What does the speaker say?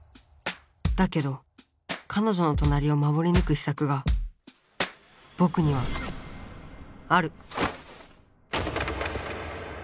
だけどかのじょの隣を守りぬく秘策がぼくにはある。